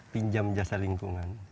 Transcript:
pinjam jasa lingkungan